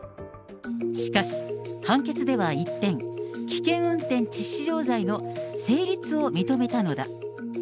しかし、判決では一転、危険運転致死傷罪の成立を認めたのだ。